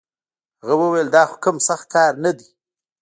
هغه وويل دا خو کوم سخت کار نه دی.